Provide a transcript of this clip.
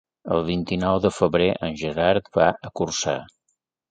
El vint-i-nou de febrer en Gerard va a Corçà.